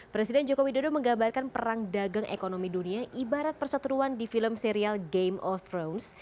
presiden jokowi dodo menggambarkan perang dagang ekonomi dunia ibarat perseteruan di film serial game of thromes